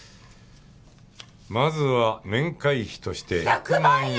まずは年会費として１００万円。